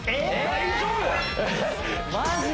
大丈夫？